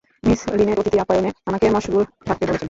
Miss Lynette অতিথি আপ্যায়নে আমাকে মশগুল থাকতে বলেছেন।